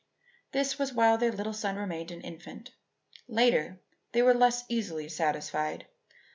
This was while their little son remained an infant; later, they were less easily satisfied.